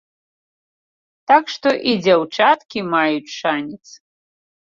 Так што і дзяўчаткі маюць шанец.